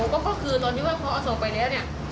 อ๋อก็คือตอนที่ว่าเขาเอาส่งไปแล้วเนี่ย